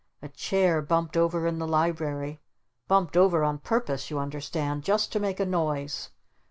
A chair bumped over in the Library! Bumped over on purpose you understand! Just to make a noise!